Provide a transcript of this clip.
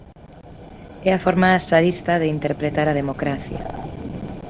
É a forma tsarista de interpretar a democracia.